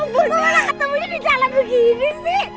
gimana ini jalan begini sih